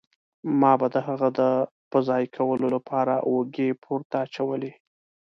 ما به د هغه د په ځای کولو له پاره اوږې پورته اچولې.